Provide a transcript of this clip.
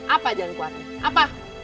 apa jalan keluarnya apa